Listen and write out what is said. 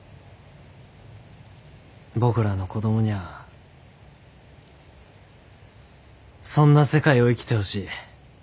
僕らの子供にゃあそんな世界を生きてほしい。